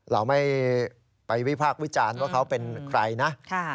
เราไม่ไปวิพากษ์วิจารณ์ว่าเขาเป็นใครนะ